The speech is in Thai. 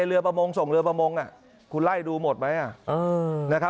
เรือประมงส่งเรือประมงน่ะคุณไล่ดูหมดมั้ยอ่ะ